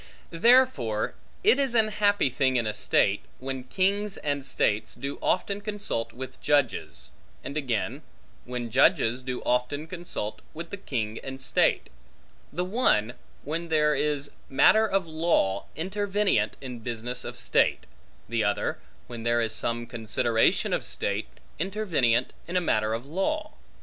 Therefore it is an happy thing in a state, when kings and states do often consult with judges; and again, when judges do often consult with the king and state: the one, when there is matter of law, intervenient in business of state; the other, when there is some consideration of state, intervenient in matter of law.